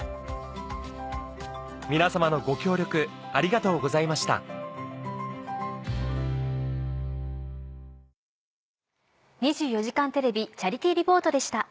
皆様のご協力ありがとうございました「２４時間テレビチャリティー・リポート」でした。